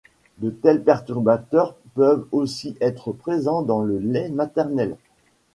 De tels perturbateurs peuvent aussi être présent dans le lait maternel.